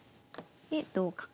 で同角。